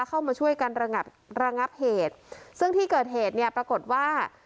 เข้ามาช่วยกันระงับระงับเหตุซึ่งที่เกิดเหตุเนี่ยปรากฏว่า